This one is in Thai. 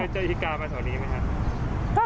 เคยเจออีกามาตรงนี้ไหมครับ